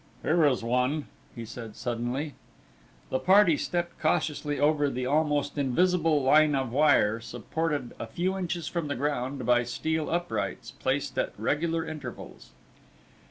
"Here is one," he said, suddenly. The party stepped cautiously over the almost invisible line of wire, supported a few inches from the ground by steel uprights, placed at regular intervals.